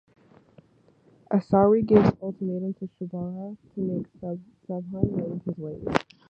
Asawari gives ultimatum to Shubhra to make Shubham mend his ways.